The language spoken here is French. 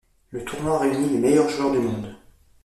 Le tournoi réunit les meilleurs joueurs du monde.